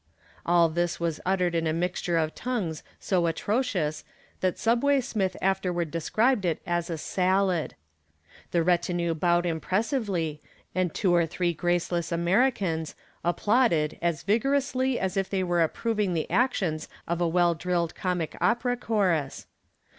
All this was uttered in a mixture of tongues so atrocious that "Subway" Smith afterward described it as a salad. The retinue bowed impressively and two or three graceless Americans applauded as vigorously as if they were approving the actions of a well drilled comic opera chorus.